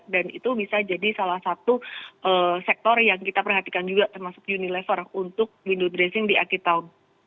dan itu bisa jadi salah satu sektor yang kita perhatikan juga termasuk unilever untuk window dressing di akhir tahun